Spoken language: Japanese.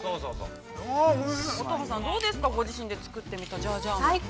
◆乙葉さん、どうですか、ご自身で作ってみた、ジャージャー麺。